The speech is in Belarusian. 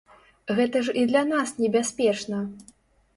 Гэта ж і для нас небяспечна.